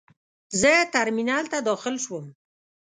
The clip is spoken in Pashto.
زه ترمینل ته داخل شوم.